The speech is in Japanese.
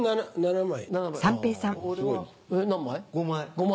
５枚。